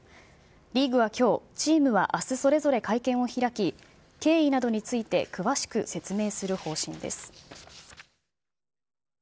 リーグはきょう、チームはあす、それぞれ会見を開き、経緯などについて詳しく説明する方針です。